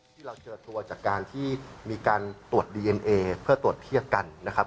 ที่เราเจอตัวจากการที่มีการตรวจดีเอ็นเอเพื่อตรวจเทียบกันนะครับ